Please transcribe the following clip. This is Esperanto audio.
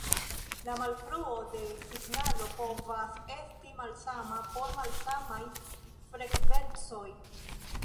La malfruo de signalo povas esti malsama por malsamaj frekvencoj.